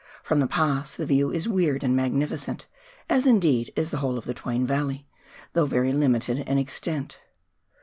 From the Pass the view is weird and magnificent — as, indeed, is the whole of the Twain valley — though very limited in extent.